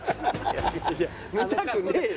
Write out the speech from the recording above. いや見たくねえよ。